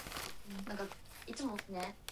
Also Brown's lumber railroad, from Whitefield.